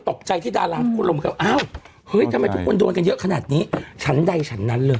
ตกใจที่ดาราคูระมาฮาเอาเฮ้ยทำไมพรวมกันเยอะขนาดนี้ชั้นใดชั้นนั้นเลย